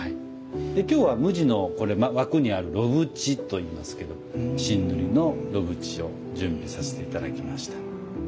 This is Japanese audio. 今日は無地の枠にある炉縁と言いますけど新塗りの炉縁を準備させて頂きました。